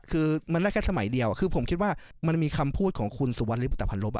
คือมันน่ะแค่สมัยเดียวมันมีคำพูดของคุณสุวรรณริปุแตรภัณฑ์รบ